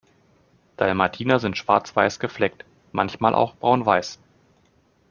Dalmatiner sind schwarz-weiß gefleckt, manchmal auch braun-weiß.